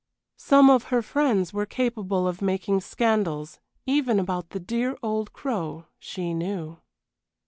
Some of her friends were capable of making scandals, even about the dear old Crow, she knew.